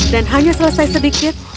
dan hanya selesai sedikit